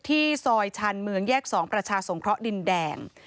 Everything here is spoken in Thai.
ที่ซอยชาญเมืองแยก๒ประชาสงเคราะห์ดินแดง